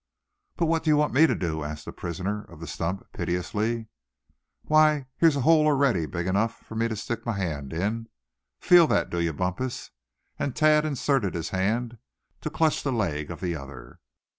"But what do you want me to do?" asked the prisoner of the stump, piteously. "Why, here's a hole already, big enough for me to stick my hand in; feel that, do you, Bumpus?" and Thad inserted his hand, to clutch the leg of the other.